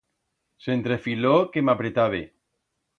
S'entrefiló que m'apretabe.